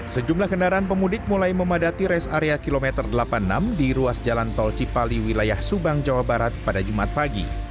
sejumlah kendaraan pemudik mulai memadati res area kilometer delapan puluh enam di ruas jalan tol cipali wilayah subang jawa barat pada jumat pagi